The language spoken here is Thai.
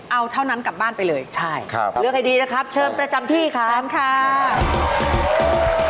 เอาเท่านั้นกลับบ้านไปเลยใช่ครับเลือกให้ดีนะครับเชิญประจำที่ครับเชิญค่ะ